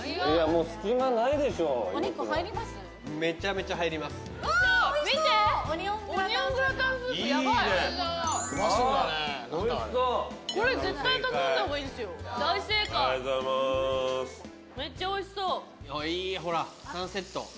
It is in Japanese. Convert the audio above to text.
いいほらサンセット。